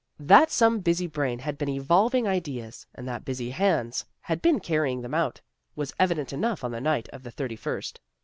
That some busy brain had been evolving ideas, and that busy hands had been carrying them out, was evident enough on the night of the thirty first.